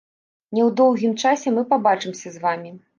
Не ў доўгім часе мы пабачымся з вамі.